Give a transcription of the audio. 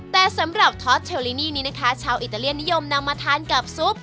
แต่สำหรับทอสเชอลินีนี้นะคะชาวอิตาเลียนนิยมนำมาทานกับซุป